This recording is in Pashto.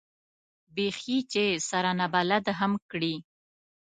بېخي چې سره نابود هم کړي.